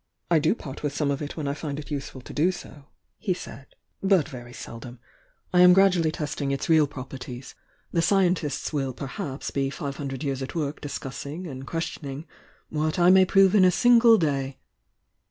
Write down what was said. "I do part with some of it when I find it useful to do so," he said. "But very seldom. I am grad THE YOUNG DIANA 281 I ually testing its real properties. The scientists will perhaps be five hundred years at work discussing and questioning what I may prove in a single day!